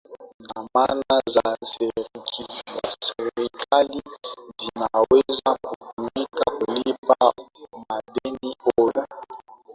dhamana za serikali zinaweza kutumika kulipa madeni hayo